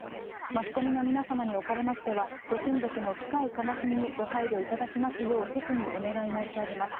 マスコミの皆様におかれましては、ご親族の深い悲しみにご配慮いただきますよう、せつにお願い申し上げます。